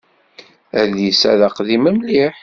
Adlis-a d aqdim mliḥ.